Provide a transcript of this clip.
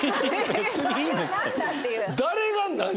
別にいいんですって。